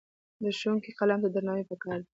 د ښوونکي قلم ته درناوی پکار دی.